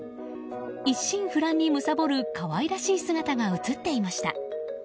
一心不乱にむさぼる可愛らしい姿が映っていました。